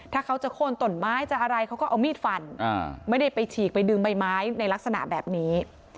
ถ้าเขาจะโค้นตนไม้จะอะไรเขาก็เอามีดฟันไม่ได้ไปฉีกไปดึงใบไม้ในลักษณะแบบนี้